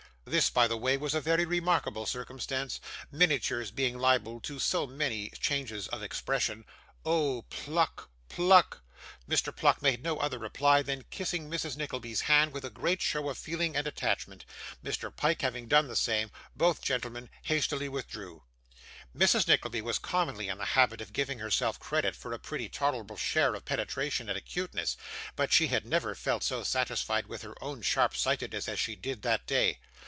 This, by the way, was a very remarkable circumstance, miniatures being liable to so many changes of expression 'Oh, Pluck! Pluck!' Mr. Pluck made no other reply than kissing Mrs. Nickleby's hand with a great show of feeling and attachment; Mr. Pyke having done the same, both gentlemen hastily withdrew. Mrs. Nickleby was commonly in the habit of giving herself credit for a pretty tolerable share of penetration and acuteness, but she had never felt so satisfied with her own sharp sightedness as she did that day.